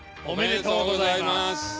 おめでとうございます。